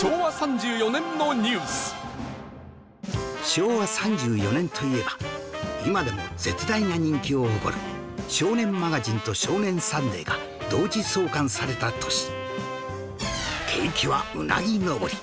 昭和３４年といえば今でも絶大な人気を誇る『少年マガジン』と『少年サンデー』が同時創刊された年